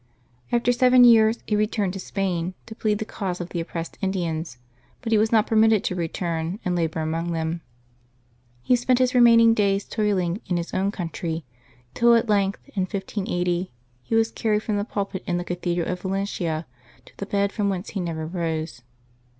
After seven years he returned to Spain, to plead the cause of the oppressed Indians, but he was not permitted to return and labor among them. He spent his remaining days toiling in his own countr} , till at length, in 1580, he was carried from the pulpit in the Cathedral at Valencia to the bed from whence he never rose.